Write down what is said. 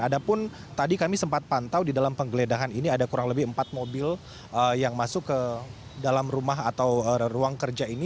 ada pun tadi kami sempat pantau di dalam penggeledahan ini ada kurang lebih empat mobil yang masuk ke dalam rumah atau ruang kerja ini